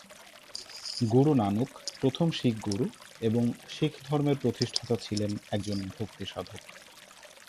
গুরু নানক, প্রথম শিখ গুরু এবং শিখধর্মের প্রতিষ্ঠাতা ছিলেন একজন ভক্তি সাধক।